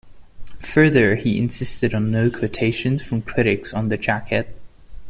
Further, he insisted on no quotations from critics on the jacket.